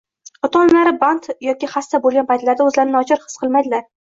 ota-onalari band yoki xasta bo‘lgan paytlarda o‘zlarini nochor his qilmaydilar.